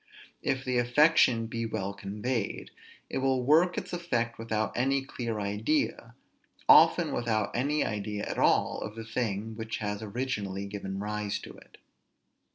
If the affection be well conveyed, it will work its effect without any clear idea, often without any idea at all of the thing which has originally given rise to it.